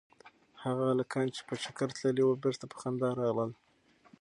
هغه هلکان چې په چکر تللي وو بېرته په خندا راغلل.